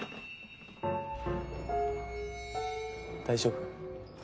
大丈夫？